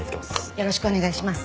よろしくお願いします。